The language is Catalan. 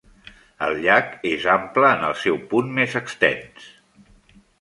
El llac és ample en el seu punt més extens.